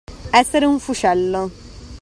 Essere un fuscello.